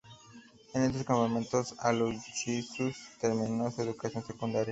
En estos campamentos Aloysius terminó su educación secundaria.